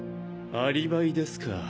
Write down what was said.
アリバイですか。